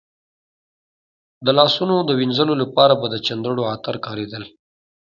د لاسونو د وینځلو لپاره به د چندڼو عطر کارېدل.